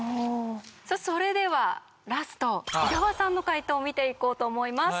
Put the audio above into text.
それではラスト伊沢さんの解答を見ていこうと思います。